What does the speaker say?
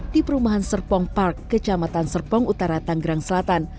di perumahan serpong park kecamatan serpong utara tanggerang selatan